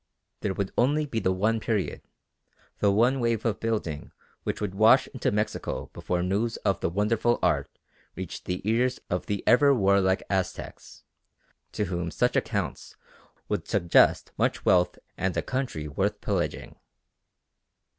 There would only be the one period, the one wave of building which would wash into Mexico before news of the wonderful art reached the ears of the ever warlike Aztecs, to whom such accounts would suggest much wealth and a country worth pillaging.